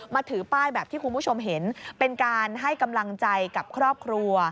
ถือป้ายแบบที่คุณผู้ชมเห็นเป็นการให้กำลังใจกับครอบครัว